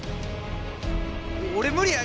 俺無理や。